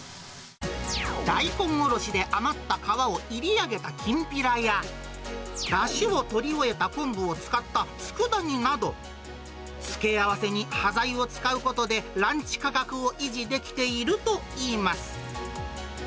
大根おろしで余った皮をいりあげたきんぴらや、だしをとり終えた昆布を使ったつくだ煮など、付け合わせに端材を使うことで、ランチ価格を維持できているといいます。